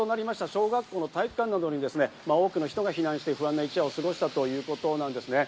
小学校の体育館などに多くの人が避難して不安な一夜を過ごしたということなんですね。